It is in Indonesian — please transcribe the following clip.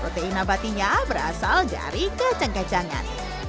protein abatinya berasal dari kacang kacangan